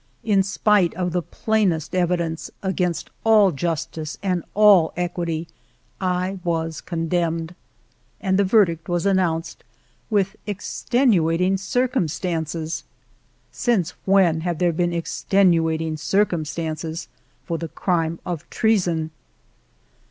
In spite of the plainest evidence, against all justice and all equity, I was condemned. And the verdict was announced " with exten uating circumstances." Since when have there been extenuating circumstances for the crime of treason